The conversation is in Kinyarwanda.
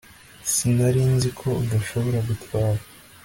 Sinari nzi ko udashobora gutwara